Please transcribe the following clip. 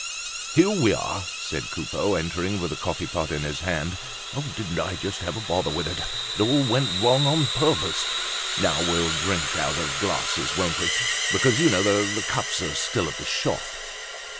"Here we are!" said Coupeau, entering with the coffee pot in his hand. "Didn't I just have a bother with it! It all went wrong on purpose! Now we'll drink out of glasses, won't we? Because you know, the cups are still at the shop."